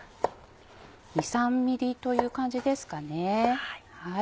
２３ｍｍという感じですかね。